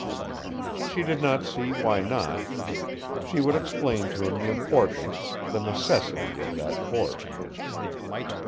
She did not see why not. She would explain to him the importance, the necessity, of that course.